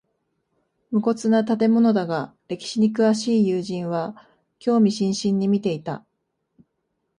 無骨な建物だが歴史に詳しい友人は興味津々に見ていた